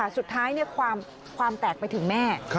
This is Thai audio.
สุดท้ายความแตกไปถึงแม่